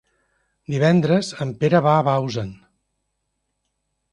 Divendres en Pere va a Bausen.